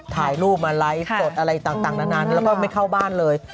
ถ่ายรูปมาไลฟ์สดอะไรต่างนานแล้วก็ไม่เข้าบ้านเลย